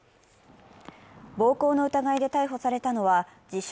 暴行の疑いで逮捕されたのは自称